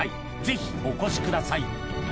ぜひお越しください